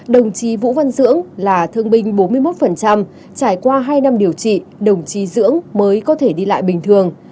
đồng chí vũ văn dưỡng là thương binh bốn mươi một trải qua hai năm điều trị đồng chí dưỡng mới có thể đi lại bình thường